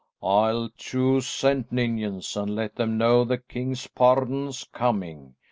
"I'll to St. Ninians and let them know the king's pardon's coming.